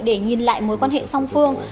để nhìn lại mối quan hệ song phương